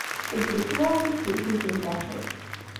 Eǧǧ lekwaɣeḍ-ik deg lǧib n daxel.